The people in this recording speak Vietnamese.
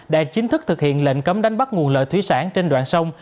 đã chính thức thực hiện lệnh cấm đánh bắt nguồn lợi thủy sản trên đoạn sông